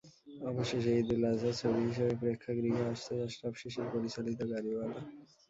অবশেষে ঈদুল আজহার ছবি হিসেবে প্রেক্ষাগৃহে আসছে আশরাফ শিশির পরিচালিত গাড়িওয়ালা।